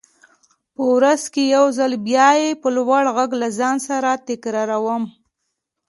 په ورځ کې يو ځل به يې په لوړ غږ له ځان سره تکراروم.